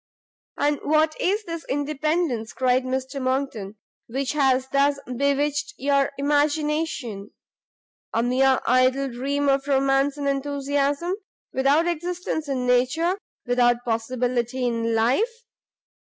"And what is this independence," cried Mr Monckton, "which has thus bewitched your imagination? a mere idle dream of romance and enthusiasm; without existence in nature, without possibility in life.